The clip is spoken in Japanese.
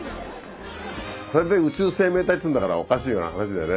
これで宇宙生命体っつうんだからおかしな話だよね。